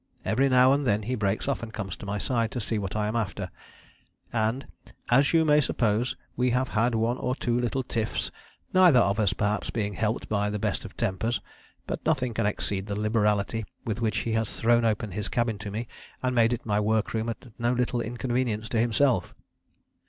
Every now and then he breaks off and comes to my side, to see what I am after ..." and, "as you may suppose, we have had one or two little tiffs, neither of us perhaps being helped by the best of tempers; but nothing can exceed the liberality with which he has thrown open his cabin to me and made it my workroom at no little inconvenience to himself."